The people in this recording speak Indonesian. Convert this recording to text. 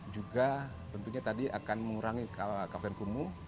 juga tentunya tadi akan mengurangi kawasan kumuh